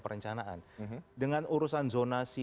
perencanaan dengan urusan zonasi